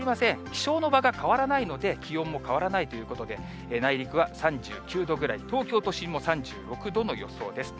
気象の場が変わらないので、気温も変わらないということで、内陸は３９度ぐらい、東京都心も３６度の予想です。